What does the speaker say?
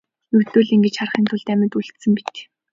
Ердөө л ингэж харахын тулд амьд үлдсэн мэт.